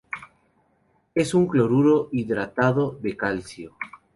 Es un cloruro hidratado de calcio.